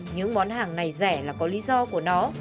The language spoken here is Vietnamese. những món hàng này rẻ là có lý do của nó